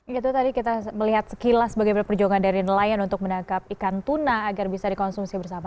itu tadi kita melihat sekilas bagaimana perjuangan dari nelayan untuk menangkap ikan tuna agar bisa dikonsumsi bersama